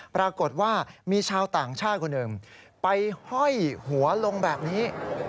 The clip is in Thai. ปรากฏว่ามีชาวต่างชาติคนหนึ่งไปห้อยหัวลงแบบนี้